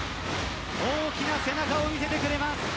大きな背中を見せてくれます。